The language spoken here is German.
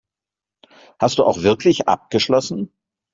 Hast du auch wirklich abgeschlossen?